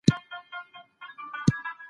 د انسان ژوند ژغورل لوی عزت دی.